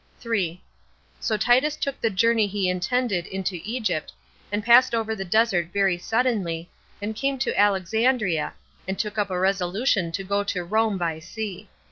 3. So Titus took the journey he intended into Egypt, and passed over the desert very suddenly, and came to Alexandria, and took up a resolution to go to Rome by sea.